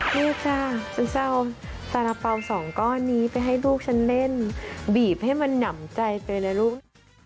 ลูกจ้ะฉันจะเอาสาระเป๋าสองก้อนนี้ไปให้ลูกฉันเล่นบีบให้มันหนำใจไปเลยลูก